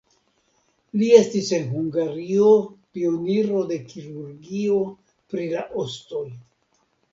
Li estis en Hungario pioniro de kirurgio pri la ostoj.